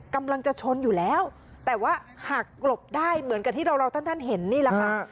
กำลังจะชนอยู่แล้วแต่ว่าหักหลบได้เหมือนกับที่เราท่านเห็นนี่แหละค่ะ